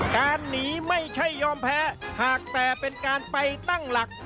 การหนีไม่ใช่ยอมแพ้หากแต่เป็นการไปตั้งหลัก